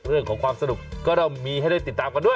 เรื่องของความสนุกก็ต้องมีให้ได้ติดตามกันด้วย